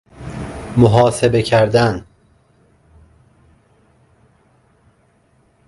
محاسبه کردن